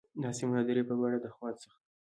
دا سیمه د درې په بڼه د خوات څخه